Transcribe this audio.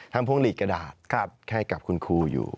พวงหลีกกระดาษให้กับคุณครูอยู่